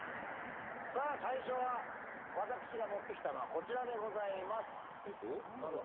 「さあ最初は私が持ってきたのはこちらでございます」なんだ？